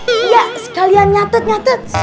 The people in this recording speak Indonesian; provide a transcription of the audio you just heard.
iya sekalian nyatet nyatet